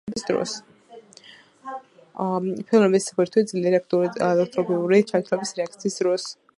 ფენოლის ბირთვი ძლიერ აქტიურია ელექტროფილური ჩანაცვლების რეაქციების დროს.